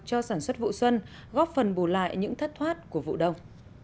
cho sản xuất vụ xuân góp phần bù lại những thất thoát của vụ đông